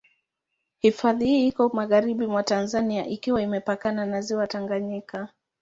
Hifadhi hii iko magharibi mwa Tanzania ikiwa inapakana na Ziwa Tanganyika.